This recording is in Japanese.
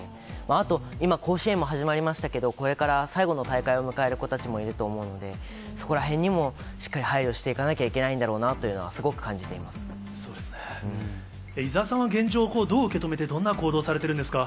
あと、今、甲子園も始まりましたけど、これから最後の大会を迎える子たちもいると思うので、そこらへんにもしっかり配慮していかなきゃいけないんだろうなと伊沢さんは現状をどう受け止めて、どんな行動されてるんですか。